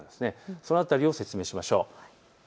その辺りを説明しましょう。